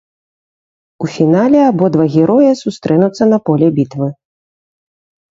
У фінале абодва героя сустрэнуцца на поле бітвы.